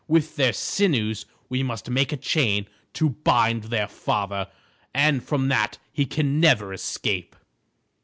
With their sinews we must make a chain to bind their father, and from that he can never escape."